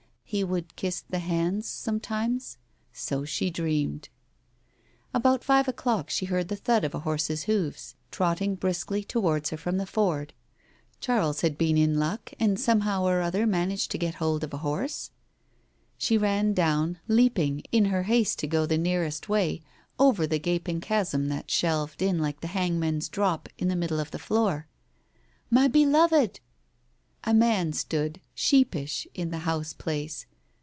... He would kiss the hands sometimes ?... So she dreamed. ... About five o'clock she heard the thud of a horse's hoofs, trotting briskly towards her from the ford. Digitized by Google 180 TALES OF THE UNEASY Charles had been in luck, and had somehow or other managed to get hold of a horse ?... She ran down, leaping, in her haste to go the nearest way, over the gaping chasm that shelved in like the hangman's drop, in the middle of the floor. " My beloved!" A man stood, sheepish, in the house place.